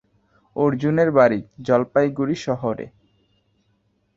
অর্জুনের বাড়ি জলপাইগুড়ি শহরে।